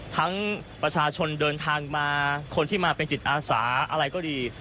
ประชาชนเดินทางมาคนที่มาเป็นจิตอาสาอะไรก็ดี